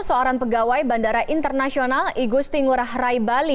seorang pegawai bandara internasional igusti ngurah rai bali